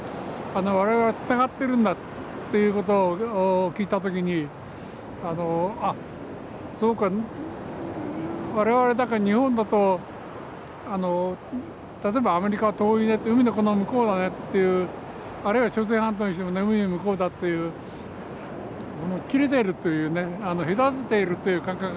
我々はつながってるんだということを聞いた時にあっそうか我々だから日本だと例えばアメリカは遠いねって海の向こうだねというあるいは朝鮮半島にしても海の向こうだという切れているというね隔てているという感覚があるんですけど。